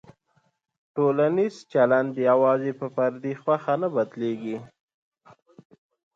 ټولنیز چلند یوازې په فردي خوښه نه بدلېږي.